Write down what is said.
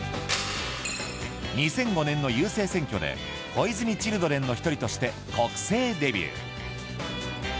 ２００５年の郵政選挙で小泉チルドレンの１人として国政デビュー。